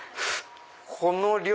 この量！